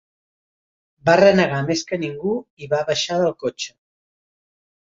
Va renegar més que ningú i va baixar del cotxe